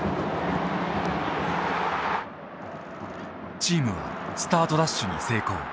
チームはスタートダッシュに成功。